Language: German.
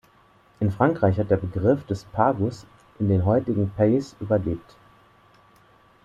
In Frankreich hat der Begriff des "pagus" in den heutigen "pays" überlebt.